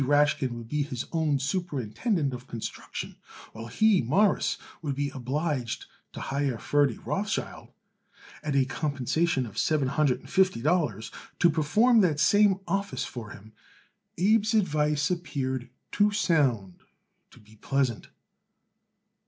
Rashkin would be his own superintendent of construction, while he, Morris, would be obliged to hire Ferdy Rothschild, at a compensation of seven hundred and fifty dollars, to perform that same office for him, Abe's advice appeared too sound to be pleasant.